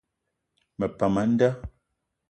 Me pam a nda.